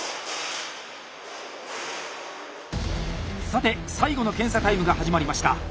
さて最後の検査タイムが始まりました。